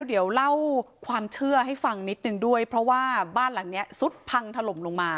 เดี๋ยวเล่าความเชื่อให้ฟังนิดนึงด้วยเพราะว่าบ้านหลังเนี้ยซุดพังถล่มลงมา